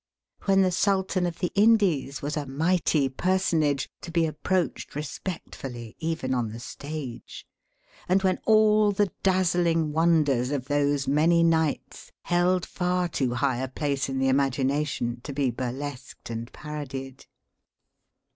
When the Sultan of the Indies was a mighty person age, to be approached respectfully even on the stage ; and when all the dazzling wonders of those many nights held far too high a place in the imagination to be burlesqued and parodied.